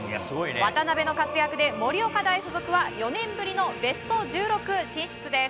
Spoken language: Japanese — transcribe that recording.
渡邊の活躍で盛岡大付属は４年ぶりのベスト１６進出です。